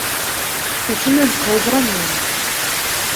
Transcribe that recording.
Эшенән ҡыуҙырам мин уны!